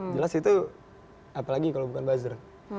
jelas itu apalagi kalau bukan buzzer